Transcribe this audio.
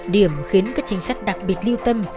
điểm khiến các trình sát đặc biệt lưu tâm